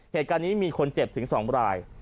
เหตุการณ์นี้มีคนเจ็บถึง๒ราย